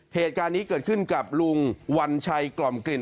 เหตุการณ์นี้เกิดขึ้นกับลุงวัญชัยกล่อมกลิ่น